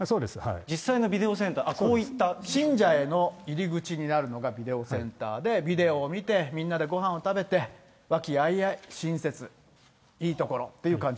実際のビデオセンター、こういった信者への入り口になるのがビデオセンターで、ビデオを見て、みんなでごはんを食べて、和気あいあい、親切、いい所っていう感